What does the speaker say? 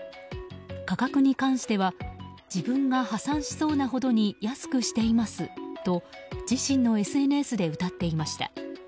価格に関しては自分が破産しそうなほどに安くしていますと自身のＳＮＳでうたっていました。